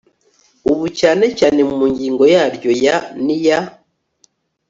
ubu cyane cyane mu ngingo yaryo ya n iya